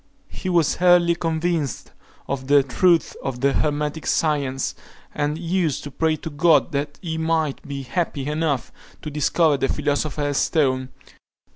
He was early convinced of the truth of the hermetic science, and used to pray to God that he might be happy enough to discover the philosopher's stone.